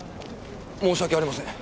申し訳ありません。